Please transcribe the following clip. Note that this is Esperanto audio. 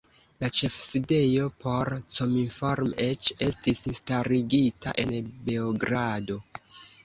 La ĉefsidejo por Cominform eĉ estis starigita en Beogrado.